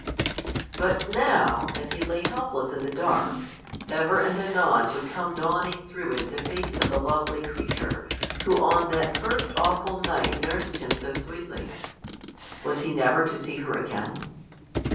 But now, as he lay helpless in the dark, ever and anon would come dawning through it the face of the lovely creature who on that first awful night nursed him so sweetly: was he never to see her again?